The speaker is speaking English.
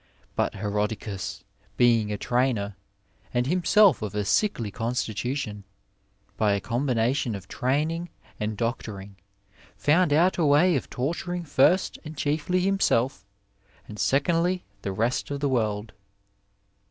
But Herodious, being a trainer, and himself of a sickly constitution, by a combination of trainii^ and doctoring found out a way of torturing first and chiefly Jbimselt and secondly the rest of the world.